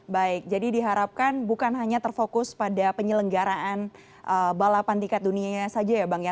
baik jadi diharapkan bukan hanya terfokus pada penyelenggaraan balapan tingkat dunianya saja ya bang ya